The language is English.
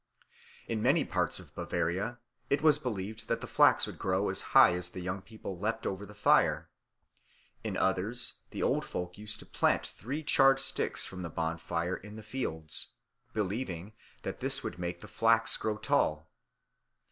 In many parts of Bavaria it was believed that the flax would grow as high as the young people leaped over the fire. In others the old folk used to plant three charred sticks from the bonfire in the fields, believing that this would make the flax grow tall.